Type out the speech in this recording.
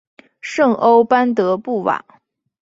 圣欧班德布瓦。